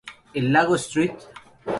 El lago St.